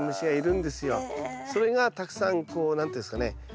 それがたくさんこう何て言うんですかね